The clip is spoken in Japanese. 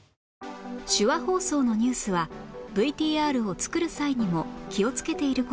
手話放送のニュースは ＶＴＲ を作る際にも気をつけている事があるそう